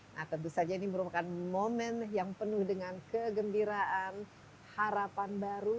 nah tentu saja ini merupakan momen yang penuh dengan kegembiraan harapan baru